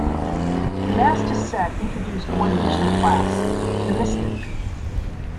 The "Master Set" introduced one additional class: the Mystic.